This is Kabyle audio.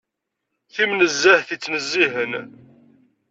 Timnezzeht yettnezzihen.